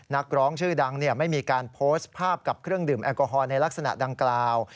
นักร้องชื่อดังไม่มีการโพสต์ภาพกับเครื่องดื่มแอลกอฮอลในลักษณะดังกล่าว